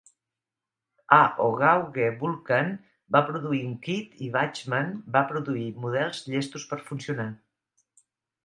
A O gauge Vulcan va produir un Kit i Bachmann va produir models llestos per funcionar